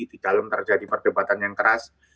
di dalam terjadi perdebatan yang keras